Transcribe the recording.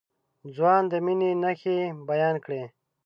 ځوان د مينې نښې بيان کړې.